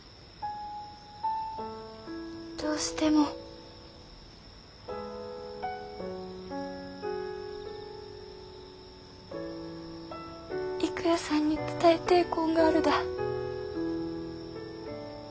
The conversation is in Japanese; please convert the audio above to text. どうしても郁弥さんに伝えてえこんがあるだ。